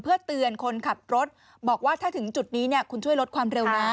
เพื่อเตือนคนขับรถบอกว่าถ้าถึงจุดนี้คุณช่วยลดความเร็วนะ